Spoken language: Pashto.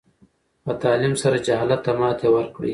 په تعلیم سره جهالت ته ماتې ورکړئ.